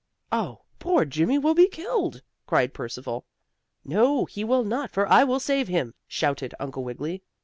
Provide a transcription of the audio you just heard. "Oh, poor Jimmie will be killed!" cried Percival. "No, he will not, for I will save him!" shouted Uncle Wiggily.